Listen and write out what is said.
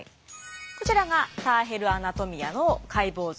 こちらが「ターヘル・アナトミア」の解剖図。